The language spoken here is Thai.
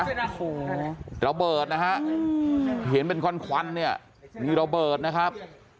โอ้โหระเบิดนะฮะเห็นเป็นควันควันเนี่ยมีระเบิดนะครับ